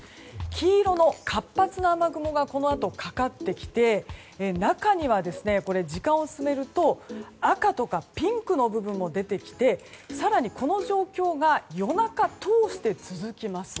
黄色の活発な雨雲がこのあとかかってきて中には、時間を進めると赤とかピンクの部分も出てきて更にこの状況が夜中通して続きます。